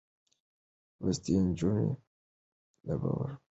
لوستې نجونې د باور خبرې پياوړې کوي.